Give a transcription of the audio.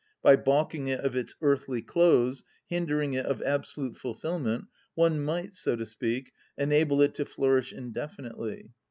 By baulking it of its "earthly close," hindering it of absolute fulfilment, one might, so to speak, enable it to flourish indefinitely.